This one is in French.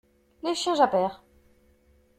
Les chiens jappèrent.